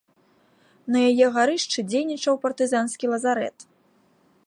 На яе гарышчы дзейнічаў партызанскі лазарэт.